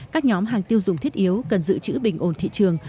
các nhóm hàng tiêu dùng thiết yếu cần giữ chữ bình ổn thị trường